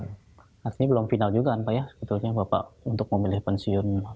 artinya belum final juga kan pak ya sebetulnya bapak untuk memilih pensiun